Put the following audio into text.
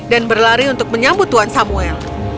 dan berlari untuk menyambut tuan samuel